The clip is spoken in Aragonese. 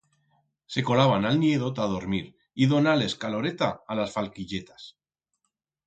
Se colaban a'l niedo ta dormir y donar-les caloreta a las falquilletas.